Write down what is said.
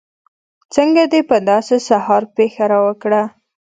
څنګه دې په داسې سهار پېښه راوکړه.